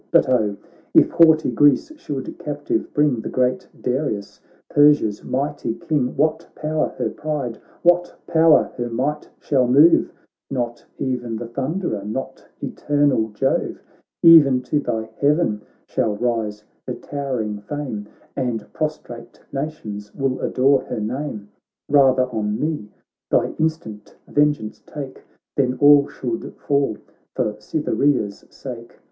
But oh, if haughty Greece should captive bring The great Darius, Persia's mighty King, What power her pride, what power her might shall move ? No t e'en the Thunderer, not eternal J ove ; B 3 10 THE BATTLE OF MARATHON E'en to thy heaven shall rise her tower ing fame, And prostrate nations will adore her name. Rather on me thy instant vengeance take Than all should fall for Cytherea's sake